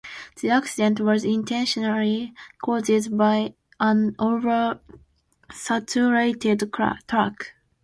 The accident was initially caused by an oversaturated track.